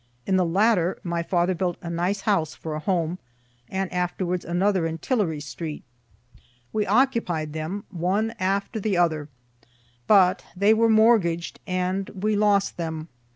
In the latter my father built a nice house for a home, and afterwards another in Tillary street. We occupied them, one after the other, but they were mortgaged, and we lost them.